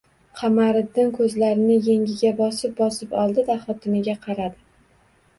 Qamariddin ko‘zlarini yengiga bosib-bosib oldi-da, xotiniga qaradi